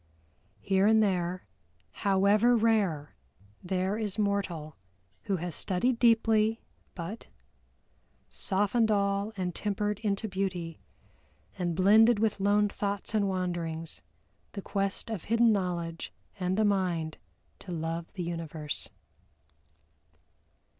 Here and there, however rare, there is mortal who has studied deeply but "Softened all and tempered into beauty; And blended with lone thoughts and wanderings, The quest of hidden knowledge, and a mind To love the universe."